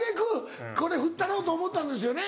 これふったろうと思ったんですよね？